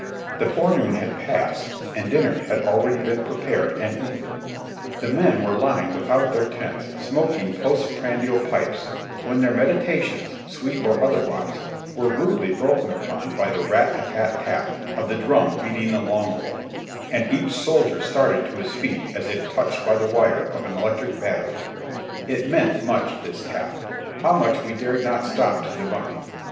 The forenoon had passed and dinner had already been pre pared and eaten ; the men were lying without their tents smoking post prandial pipes, when their meditations, sweet or otherwise, were rudely broken upon by the rat a tap tap of the drum beating the long roll, and each soldier started to his feet as if touched by the wire of an electric battery. It meant much, this tap, how much we dared not stop to divine